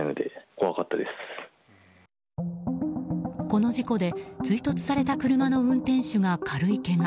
この事故で追突された車の運転手が軽いけが。